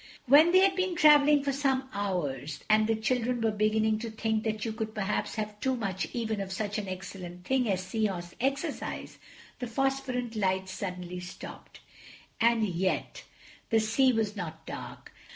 When they had been traveling for some hours and the children were beginning to think that you could perhaps have too much even of such an excellent thing as Sea Horse exercise, the phosphorescent lights suddenly stopped, and yet the sea was not dark.